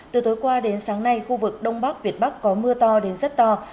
từ tối qua đến sáng nay khu vực đông bắc việt bắc có mưa to đến rất to